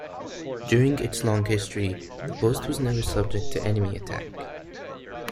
During its long history, the post was never subject to enemy attack.